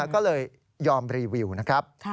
ก็เลยยอมรีวิวนะครับ